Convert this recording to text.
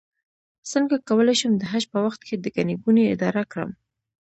څنګه کولی شم د حج په وخت کې د ګڼې ګوڼې اداره کړم